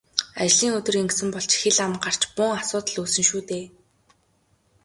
Ажлын өдөр ингэсэн бол ч хэл ам гарч бөөн асуудал үүснэ шүү дээ.